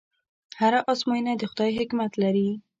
هره ازموینه د خدای حکمت لري.